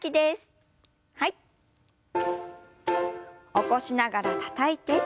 起こしながらたたいて。